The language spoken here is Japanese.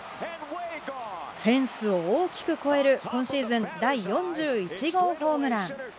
フェンスを大きく越える今シーズン第４１号ホームラン。